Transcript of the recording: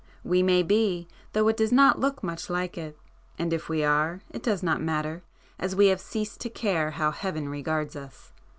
We may be, though it does not look much like it,—and if we are, it does not matter, as we have ceased to care how heaven regards us.